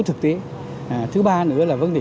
thực tế thứ ba nữa là vấn đề